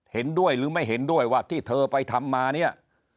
เห็นด้วยหรือไม่เห็นด้วยว่าที่เธอไปทำมาเนี่ย